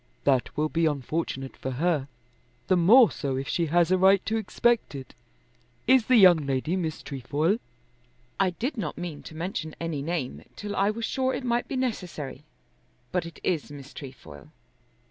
"That will be unfortunate for her, and the more so if she has a right to expect it. Is the young lady Miss Trefoil?" "I did not mean to mention any name, till I was sure it might be necessary. But it is Miss Trefoil."